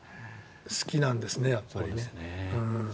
好きなんですね、やっぱりね。